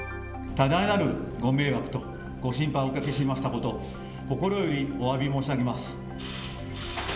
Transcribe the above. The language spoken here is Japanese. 多大なるご迷惑とご心配をおかけしましたこと心よりおわび申し上げます。